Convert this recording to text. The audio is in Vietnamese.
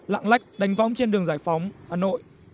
lạng lách đánh võng trên đường giải phóng hà nội